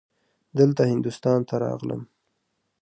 دلته هندوستان ته راغلم.